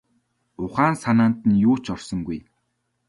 Ухаан санаанд нь юу ч орсонгүй.